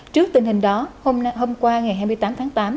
trước tình hình đó hôm qua ngày hai mươi tám tháng tám